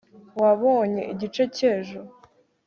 wabonye igice cy'ejo